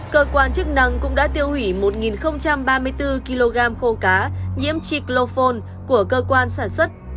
cơ quan chức năng cũng đã tiêu hủy một ba mươi bốn kg khô cá nhiễm chiclophone của cơ quan sản xuất